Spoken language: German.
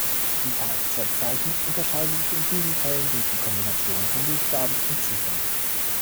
Die Kfz-Zeichen unterscheiden sich in diesen Fällen durch die Kombination von Buchstaben und Ziffern.